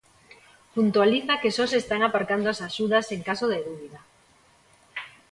Puntualiza que só se están aparcando as axudas en caso de dúbida.